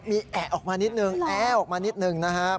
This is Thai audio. มีแอะออกมานิดนึงแอออกมานิดนึงนะครับ